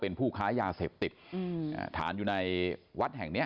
เป็นผู้ค้ายาเสพติดฐานอยู่ในวัดแห่งเนี้ย